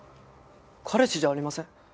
彼氏じゃありません。